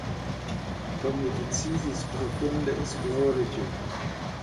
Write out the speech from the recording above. Do mi decidis profunde esplori ĝin.